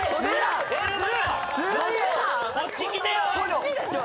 こっちでしょ！